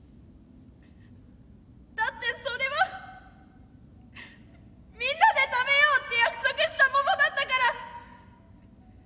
だってそれはみんなで食べようって約束した桃だったから。